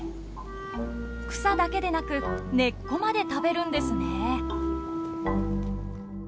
草だけでなく根っこまで食べるんですね。